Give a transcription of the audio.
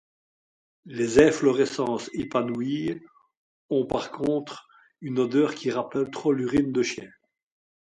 Les inflorescences épanouies ont par contre une odeur qui rappelle trop l'urine de chien.